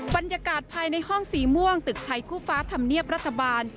บรรยากาศภายในห้องสีม่วงตึกไทยคู่ฟ้าธรรมเนียบรัฐบาล